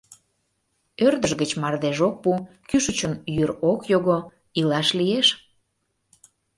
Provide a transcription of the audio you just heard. «Ӧрдыж гыч мардеж ок пу, кӱшычын йӱр ок його — илаш лиеш.